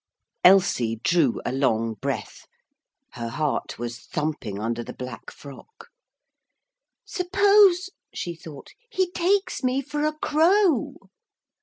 Elsie drew a long breath. Her heart was thumping under the black frock. 'Suppose,' she thought, 'he takes me for a crow!'